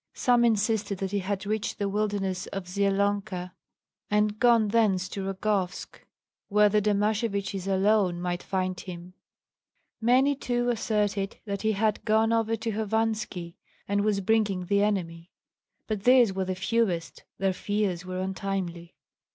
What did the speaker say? Some insisted that he had reached the wilderness of Zyelonka and gone thence to Rogovsk, where the Domasheviches alone might find him. Many too asserted that he had gone over to Hovanski and was bringing the enemy; but these were the fewest, their fears were untimely.